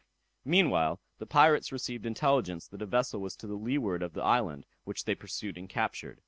Meanwhile, the pirates received intelligence that a vessel was to the leeward of the island, which they pursued and captured.